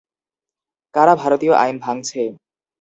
কারা ভারতীয় আইন ভাঙছে?